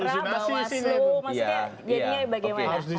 bawaslu maksudnya jadinya bagaimana